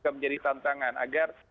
menjadi tantangan agar